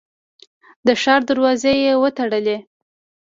د ښار دروازې یې وتړلې.